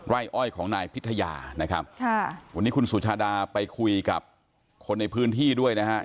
้อ้อยของนายพิทยานะครับค่ะวันนี้คุณสุชาดาไปคุยกับคนในพื้นที่ด้วยนะฮะ